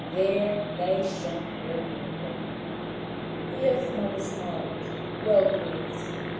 There they shone brilliantly. The Earth mother smiled, well pleased.